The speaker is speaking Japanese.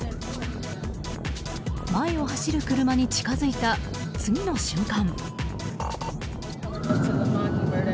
前を走る車に近づいた次の瞬間。